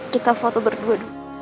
kita foto berdua